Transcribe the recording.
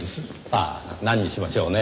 さあ何にしましょうね。